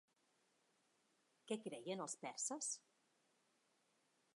Què creien els perses?